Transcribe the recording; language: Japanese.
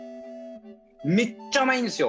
めっちゃ甘いんですよ